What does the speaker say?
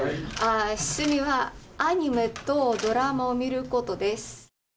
趣味はアニメとドラマを見ること